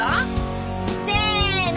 せの！